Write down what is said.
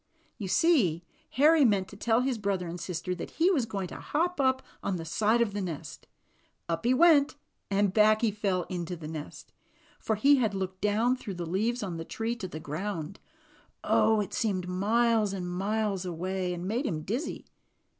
You see Harry meant to tell his brother and sister that he was going to hop up on the side of the nest. Up he went, and back he fell into the nest; for he had looked down through the leaves on the tree to the ground. Oh! it seemed miles and miles away, and made him dizzy.